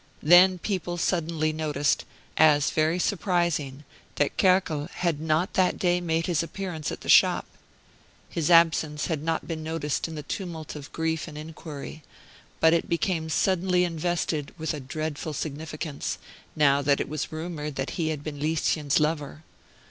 Then people suddenly noticed, as very surprising, that Kerkel had not that day made his appearance at the shop. His absence had not been noticed in the tumult of grief and inquiry; but it became suddenly invested with a dreadful significance, now that it was rumored that he had been Lieschen's lover.